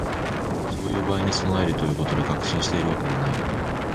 そういう場合に備えるということで、確信しているわけではない